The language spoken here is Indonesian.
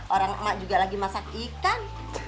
orang emak juga lagi masak ikan